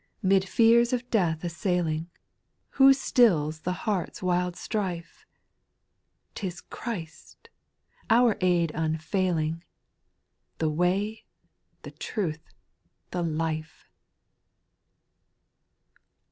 'Mid fears of death assailing, Who stills the heart's wild strife ? 'T is Christ ! our aid unfailing, The Way, the Truth, the Life